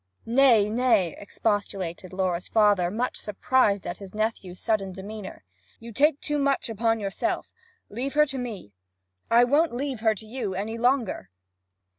'Nay, nay,' expostulated Laura's father, much surprised at his nephew's sudden demeanour. 'You take too much upon yourself. Leave her to me.' 'I won't leave her to you any longer!'